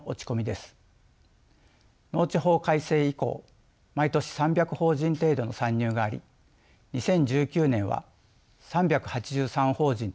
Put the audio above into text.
農地法改正以降毎年３００法人程度の参入があり２０１９年は３８３法人と最も多くなっています。